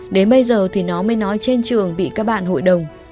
đến bây giờ thì nó mới nói trên trường bị các bạn hội đồng